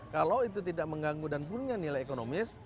kalau itu tidak mengganggu dan punya nilai ekonomis